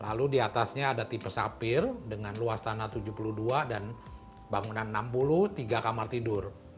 lalu diatasnya ada tipe sapir dengan luas tanah tujuh puluh dua dan bangunan enam puluh tiga kamar tidur